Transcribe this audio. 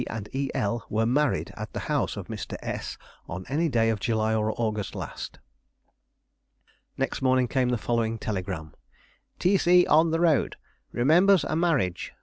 and E. L. were married at the house of Mr. S. on any day of July or August last." Next morning came the following telegram: "T. C. on the road. Remembers a marriage.